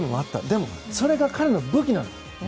でも、それが彼の武器なんです。